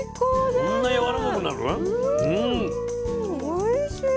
おいしい。